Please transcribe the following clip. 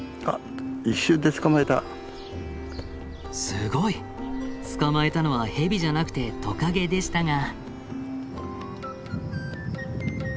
すごい。捕まえたのはヘビじゃなくてトカゲでしたが。